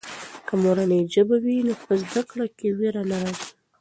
که مورنۍ ژبه وي نو په زده کړه کې وېره نه راځي.